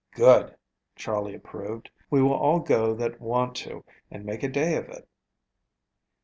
"Good!" Charley approved. "We will all go that want to and make a day of it."